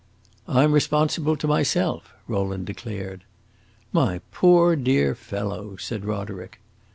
"I 'm responsible to myself," Rowland declared. "My poor, dear fellow!" said Roderick.